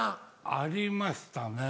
ありましたね。